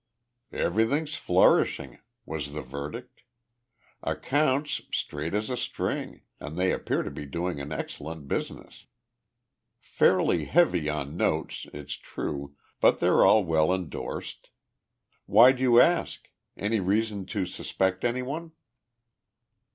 "Everything's flourishing," was the verdict. "Accounts straight as a string and they appear to be doing an excellent business. Fairly heavy on notes, it's true, but they're all well indorsed. Why'd you ask? Any reason to suspect anyone?"